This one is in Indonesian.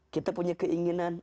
kita punya keinginan